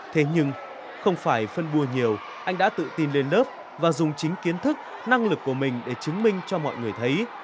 thế nhưng không phải phân bua nhiều anh đã tự tin lên lớp và dùng chính kiến thức năng lực của mình để chứng minh cho mọi người thấy